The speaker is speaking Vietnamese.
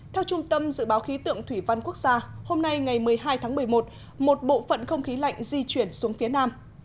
theo trung tâm dự báo khí tượng thủy văn quốc gia hôm nay ngày một mươi hai tháng một mươi một một bộ phận không khí lạnh di chuyển xuống phía nam